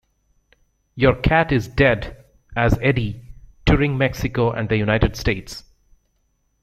Your Cat Is Dead as Eddie, touring Mexico and the United States.